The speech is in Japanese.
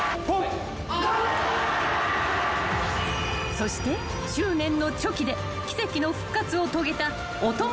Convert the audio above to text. ［そして執念のチョキで奇跡の復活を遂げた］